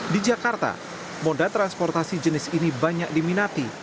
di jakarta moda transportasi jenis ini banyak diminati